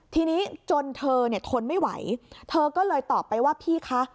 ทีนี้จนเธอเนี่ยทนไม่ไหวเธอก็เลยตอบไปว่าพี่คะ